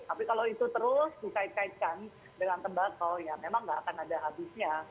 tapi kalau itu terus dikait kaitkan dengan tembakau ya memang nggak akan ada habisnya